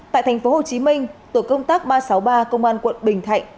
tại thành phố hồ chí minh tổ công tác ba trăm sáu mươi ba công an quận bình thạnh